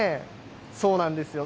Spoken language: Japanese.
そうなんですよ。